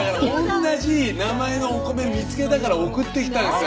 同じ名前のお米見つけたから送ってきたんですよ。